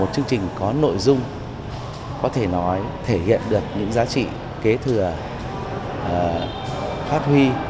chương trình nghệ thuật lưỡng cực